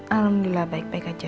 alhamdulillah baik baik aja